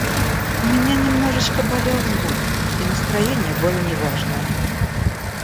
У меня немножечко болел зуб и настроение было неважное.